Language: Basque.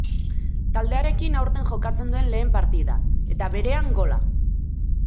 Taldearekin aurten jokatzen duen lehen partida, eta berean gola.